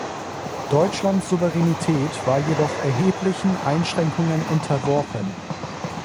Deutschlands Souveränität war jedoch erheblichen Einschränkungen unterworfen.